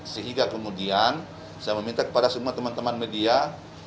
sehingga kemudian saya meminta kepada semua teman teman media